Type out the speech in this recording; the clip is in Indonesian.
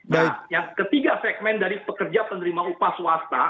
nah yang ketiga segmen dari pekerja penerima upah swasta